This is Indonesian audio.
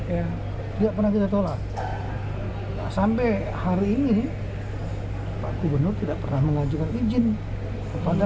yang tidak pernah ditolak sampai hari ini pak gubernur tidak pernah mengajukan izin kepada